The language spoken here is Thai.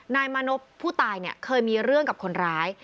นายมานพผู้ตายเนี่ยเคยมีเรื่องกับคนร้าย